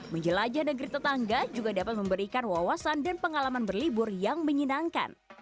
menjelajah negeri tetangga juga dapat memberikan wawasan dan pengalaman berlibur yang menyenangkan